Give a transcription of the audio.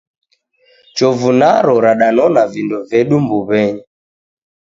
Chovu naro radanona vindo vedu mbuw'enyi.